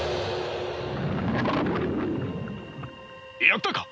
やったか？